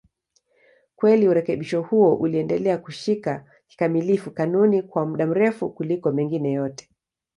Kweli urekebisho huo uliendelea kushika kikamilifu kanuni kwa muda mrefu kuliko mengine yote.